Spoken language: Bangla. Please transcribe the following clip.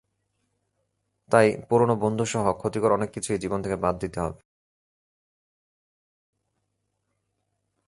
তাই পুরোনো বন্ধুসহ ক্ষতিকর অনেক কিছুই জীবন থেকে বাদ দিতে হবে।